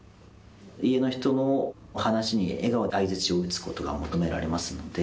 家の人の話に笑顔で相づちを打つことが求められますんで。